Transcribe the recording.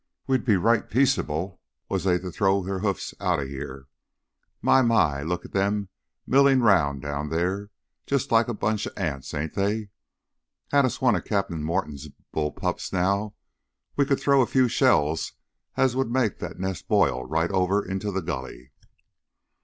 We'd be right peaceable was they to throw their hoofs outta heah. My, my, lookit them millin' round down theah. Jus' like a bunch of ants, ain't they? Had us one of Cap'n Morton's bull pups now, we could throw us a few shells as would make that nest boil right over into the gully!"